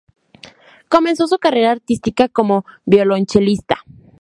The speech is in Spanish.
Comenzó su carrera artística como violonchelista.